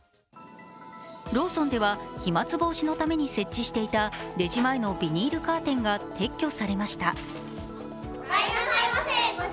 ローソンでは飛まつ防止のために設置していたレジ前のビニールカーテンが撤去されました。